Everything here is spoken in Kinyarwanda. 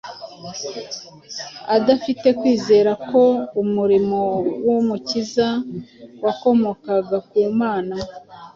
adafite kwizera ko umurimo w’Umukiza wakomokaga ku Mana